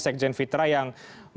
sekjen fitra yang